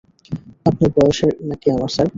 আপনার বয়সের নাকি আমার, স্যার?